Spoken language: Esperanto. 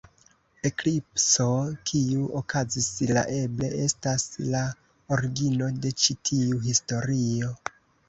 Eklipso kiu okazis la eble estas la origino de ĉi tiu historio.